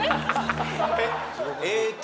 えっと。